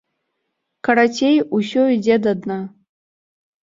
Карацей, усё ідзе да дна.